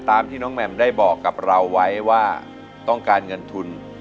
ตามที่น้องแหม่มได้บอกกับเราไว้ว่าต้องการเงินทุน